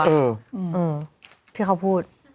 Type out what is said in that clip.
อืมที่เขาพูด